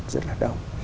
rất là đông